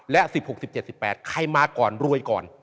แล้ว๑๖๑๗๑๘ใครมารวยก่อน